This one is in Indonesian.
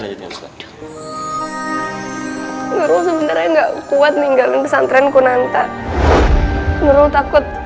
sebenarnya enggak kuat minggal pesantren kunanta merutakut